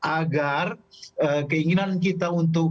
agar keinginan kita untuk